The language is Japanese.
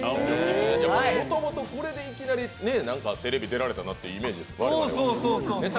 もともとこれでいきなりテレビ出られたなというイメージ。